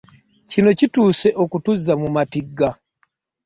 Kino kituuse okutuzza mu matigga.